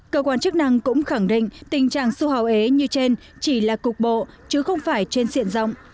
cơ quan chức năng cũng khẳng định tình trạng su hào ế như trên chỉ là cục bộ chứ không phải trên diện rộng